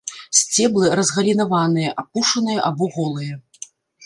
Сцеблы разгалінаваныя, апушаныя або голыя.